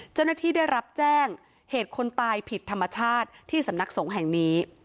เจ้าหน้าที่ได้รับแจ้งเหตุคนตายผิดธรรมชาติที่สำนักสงฆ์แห่งนี้